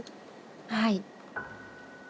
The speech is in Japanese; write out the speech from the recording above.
はい